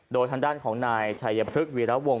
โดยทางด้านของนายชายปฤษฐ์วีรับวงศ์